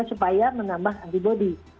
supaya menambah antibodi